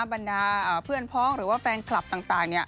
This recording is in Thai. บรรดาเพื่อนพ้องหรือว่าแฟนคลับต่าง